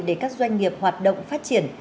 để các doanh nghiệp hoạt động phát triển